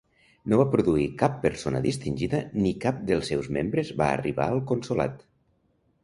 No va produir cap persona distingida ni cap dels seus membres va arribar al consolat.